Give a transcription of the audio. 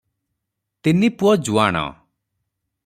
ତିନି ପୁଅ ଯୁଆଣ ।